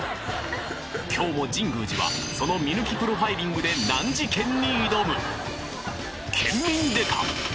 今日も神宮寺はその見抜きプロファイリングで難事件に挑む！